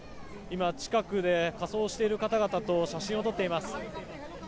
今、近くで仮装している方々と写真を撮っています。